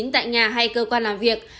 tại nhà hay cơ quan làm việc